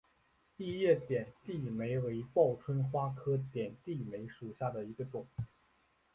异叶点地梅为报春花科点地梅属下的一个种。